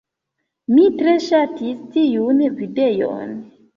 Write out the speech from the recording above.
Mi tre ŝatis tiun videon.